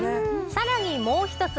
さらにもう一つ。